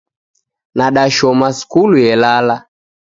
Nadashoma skulu yelala